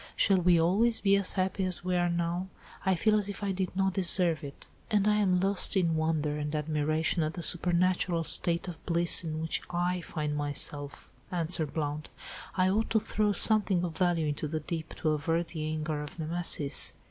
"Shall we always be as happy as we are now? I feel as if I did not deserve it." "And I am lost in wonder and admiration at the supernatural state of bliss in which I find myself," answered Blount. "I ought to throw something of value into the deep, to avert the anger of Nemesis.